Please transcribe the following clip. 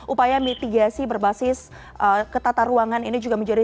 upaya mitigasi berbasis ketata ruangan ini juga menjadi